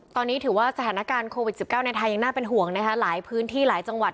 ตอนนี้ถือว่าสถานการณ์โควิด๑๙ในไทยยังน่าเป็นห่วงนะคะหลายพื้นที่หลายจังหวัด